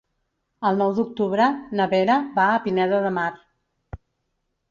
El nou d'octubre na Vera va a Pineda de Mar.